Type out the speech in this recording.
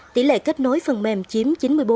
tỷ lệ kết nối phần mềm chiếm chín mươi bốn